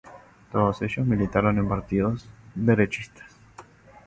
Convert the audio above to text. Todos ellos militaron en partidos derechistas.